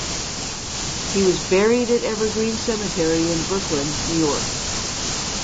He was buried at Evergreen Cemetery in Brooklyn, New York.